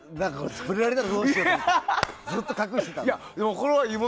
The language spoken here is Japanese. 触れられたらどうしようと思ってずっと隠してたの。